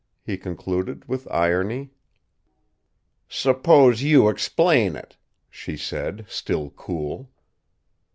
he concluded, with irony. "Suppose you explain it," she said, still cool.